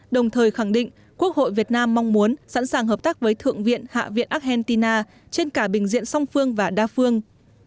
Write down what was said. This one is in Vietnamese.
đồng thời khẳng định quốc hội việt nam mong muốn sẵn sàng hợp tác với thượng viện hạ viện argentina trên cả bình diện song phương và đa phương